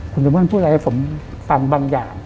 คุณเดี๋ยวมึงพูดอะไรให้ผมฟังบางอย่าง